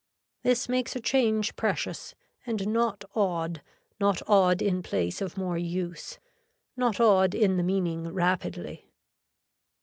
This makes a change precious and not odd not odd in place of more use. Not odd in the meaning rapidly.